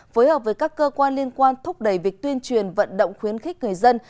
phối hợp với các cơ quan liên quan thúc đẩy việc tuyên truyền vận động khuyến khích người dân